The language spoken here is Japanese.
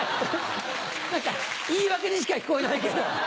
何か言い訳にしか聞こえないけど。